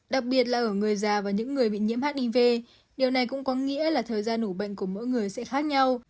đặc biệt là ở người già và những người bị nhiễm hiv điều này cũng có nghĩa là thời gian ủ bệnh của mỗi người sẽ khác nhau